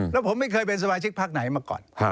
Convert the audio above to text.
แล้วผมไม่เคยเป็นสมาชิกพักไหนมาก่อน